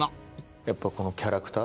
やっぱ、このキャラクター。